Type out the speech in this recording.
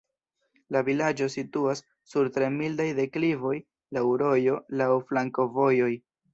La vilaĝo situas sur tre mildaj deklivoj, laŭ rojo, laŭ flankovojoj.